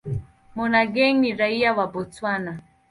Monageng ni raia wa Botswana.